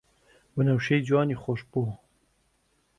وەنەوشەی جوانی خۆشبۆ